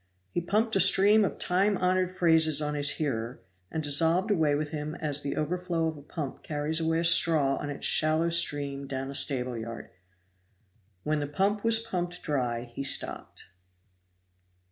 He pumped a stream of time honored phrases on his hearer, and dissolved away with him as the overflow of a pump carries away a straw on its shallow stream down a stable yard. When the pump was pumped dry he stopped.